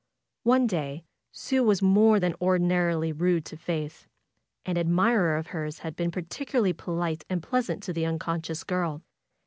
One day Sue was more than ordinarily rude to Faith. An admirer of hers had been particularly polite and pleasant to the unconscious girl.